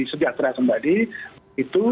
sejahtera kembali itu